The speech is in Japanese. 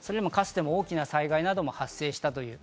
かつても大きな災害なども発生した。